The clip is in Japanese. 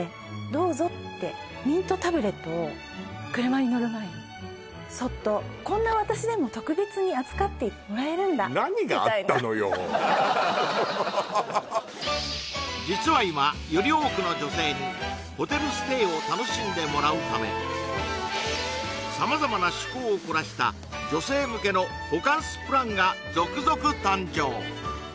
「どうぞ」ってミントタブレットを車に乗る前にそっとこんな私でも特別に扱ってもらえるんだみたいな実は今より多くの女性にホテルステイを楽しんでもらうため様々な趣向を凝らした女性向けのホカンスプランが続々誕生